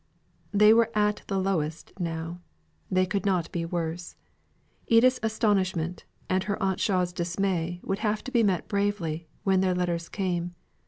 They were at the lowest now; they could not be worse. Edith's astonishment and her Aunt Shaw's dismay would have to be met bravely, when their letters came.